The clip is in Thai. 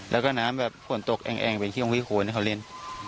แล้วก็น้ำแบบผลตกแองเป็นที่ของพี่โขนเขาเล่น